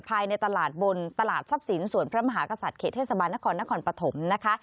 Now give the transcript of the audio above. ภายในตลาดบนตลาดทรัพย์สินส่วนพระมหากษัตริย์เขตเทศบาลนครนครปฐมนะคะ